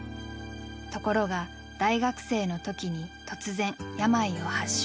ところが大学生の時に突然病を発症。